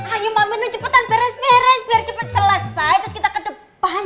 ayo mbak mena cepetan beres beres biar cepet selesai terus kita ke depan